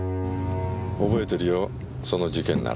覚えてるよその事件なら。